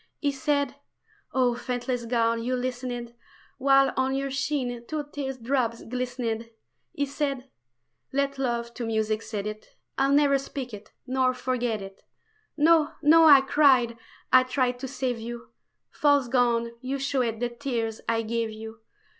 He said oh, faithless gown, you listened While on your sheen two tear drops glistened He said ... let love to music set it, I'll never speak it nor forget it! "No, no!" I cried, I tried to save you False gown, you showed the tears I gave you!